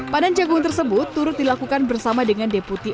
panen jagung tersebut turut dilakukan bersama dengan deputi eman